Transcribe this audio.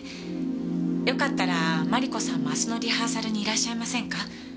よかったらマリコさんも明日のリハーサルにいらっしゃいませんか？